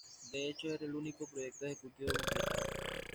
De hecho, era el único proyecto ejecutivo completado.